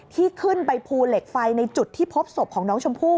ที่ขึ้นไปภูเหล็กไฟในจุดที่พบศพของน้องชมพู่